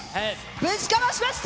ぶちかましました！